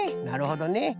なるほどね。